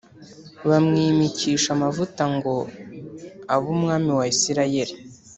bamwimikisha amavuta ngo abe umwami wa Isirayeli.